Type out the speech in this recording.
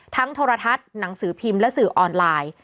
โทรทัศน์หนังสือพิมพ์และสื่อออนไลน์